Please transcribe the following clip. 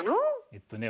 えっとね